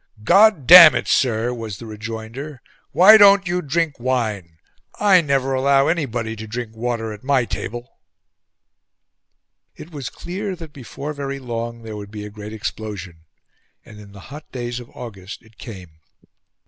"God damn it, sir!" was the rejoinder. "Why don't you drink wine? I never allow anybody to drink water at my table." It was clear that before very long there would be a great explosion; and in the hot days of August it came.